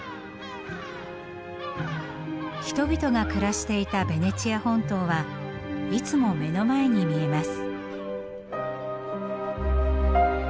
人々が暮らしていたベネチア本島はいつも目の前に見えます。